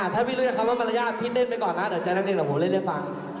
ถ้าพี่รู้จักคำว่ามารยาทพี่เต้นไปก่อนนะแต่ใจนักเรียนกับผมเล่นให้ฟัง